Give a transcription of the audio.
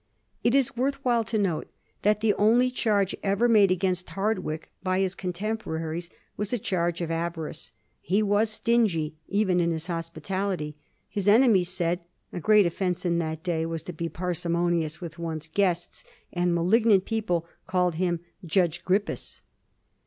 It is worth while to note that the only charge ever made against Hardwicke by his contemporaries was a charge of avarice ; he was stingy even in his hospitality, his enemies said — a great offence in that day was to be parsimonious with one's guests ; and malignant people called him Judge Gripus.